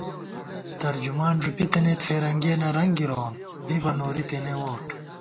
ترجمان ݫُپِتَنَئیت فِرَنگِیَنہ رنگ گِرَوون بِبہ نوری تېنےووٹ